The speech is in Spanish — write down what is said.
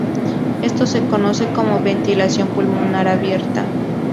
Esto se conoce como "ventilación pulmonar abierta".